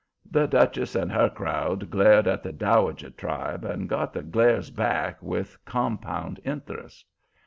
The Duchess and her crowd glared at the Dowager tribe and got the glares back with compound interest.